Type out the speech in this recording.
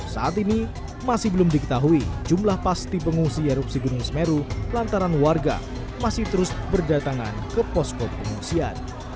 saat ini masih belum diketahui jumlah pasti pengungsi erupsi gunung semeru lantaran warga masih terus berdatangan ke posko pengungsian